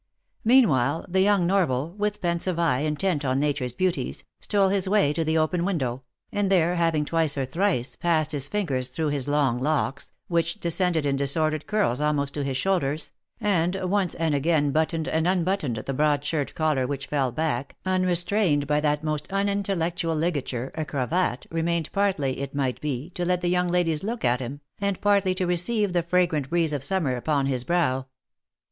Meanwhile, the young Norval, with pensive eye intent on nature's beauties, stole his way to the open window, and there having twice or thrice passed his fingers through his long locks, which descendedjin disordered curls almost to his shoulders, and once and again buttoned and unbut toned the broad shirt collar which fell back, unrestrained by that most unintellectual ligature, a cravat, remained partly, it might be, to let the young ladies look at him, and partly to receive the fra grant breeze of summer upon his brow.